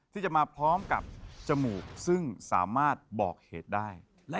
ที่จะมาพร้อมกับจมูกซึ่งสามารถบอกเหตุได้